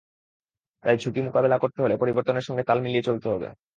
তাই ঝুঁকি মোকাবিলা করতে হলে পরিবর্তনের সঙ্গে তাল মিলিয়ে চলতে হবে।